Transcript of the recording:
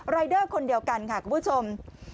รายเดอร์คนเดียวกันค่ะคุณผู้ชม